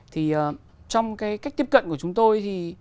thì trong cái cách tiếp cận của chúng tôi thì